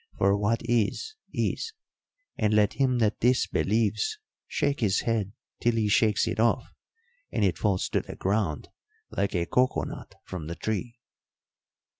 For what is, is; and let him that disbelieves shake his head till he shakes it off, and it falls to the ground like a cocoanut from the tree.